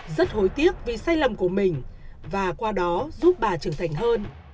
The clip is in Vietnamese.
rất hối tiếc vì sai lầm của mình và qua đó giúp bà trưởng thành hơn